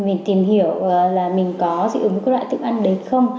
mình tìm hiểu là mình có dị ứng với các loại thức ăn đấy không